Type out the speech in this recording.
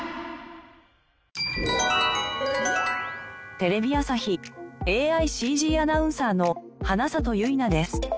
テレビ朝日ＡＩ×ＣＧアナウンサーの花里ゆいなです。